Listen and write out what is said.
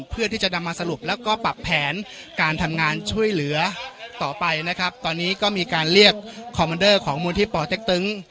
เพื่อที่จะนำมาสรุปแล้วก็ปรับแผนการทำงานช่วยเหลือต่อไปนะครับตอนนี้ก็มีการเรียกคอมเมนเดอร์ของมูลที่ปเต็กตึง